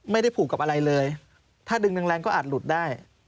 ไม่ได้ผูกกับอะไรเลยถ้าดึงแรงก็อาจหลุดได้